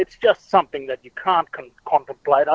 itu hanya sesuatu yang tidak bisa